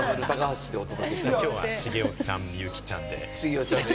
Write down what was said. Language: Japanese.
きょうは茂雄ちゃん、みゆきちゃんで。